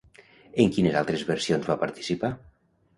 En quines altres versions va participar?